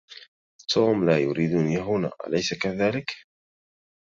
توم لا يريدني هنا. أليس كذلك؟